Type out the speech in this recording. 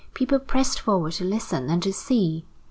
People pressed forward to listen and to see.